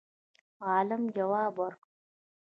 عالم جواب ورکړ